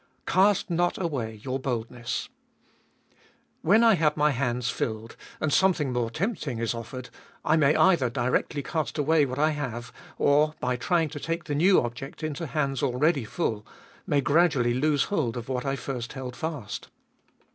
Cast not away your boldness. When I have my hands filled, and something more tempting is offered, I may either directly cast away what I have, or, by trying to take the new object into hands already full, may gradually lose hold of what I first held fast.